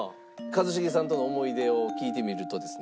一茂さんとの思い出を聞いてみるとですね